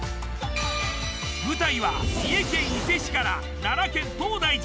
舞台は三重県伊勢市から奈良県東大寺。